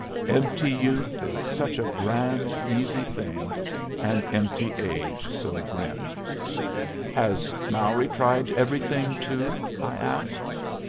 Empty youth is such a grand easy thing, and empty age so grim! "Has Mowry tried everything, too?" I asked.